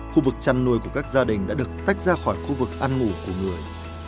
khu vực chăn nuôi của các gia đình đã được tách ra khỏi khu vực ăn ngủ của người